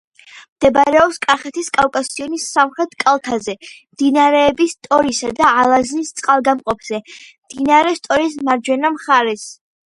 მდებარეობს კახეთის კავკასიონის სამხრეთ კალთაზე, მდინარეების სტორისა და ალაზნის წყალგამყოფზე, მდინარე სტორის მარჯვენა მხარეს.